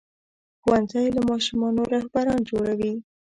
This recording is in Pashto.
ښوونځی له ماشومانو رهبران جوړوي.